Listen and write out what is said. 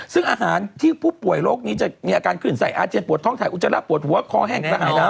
ซึ่งอาหารที่ผู้ป่วยโรคนี้จะมีอาการขึ้นใส่อาเจียปวดท้องถ่ายอุจจาระปวดหัวคอแห้งกระหายแล้ว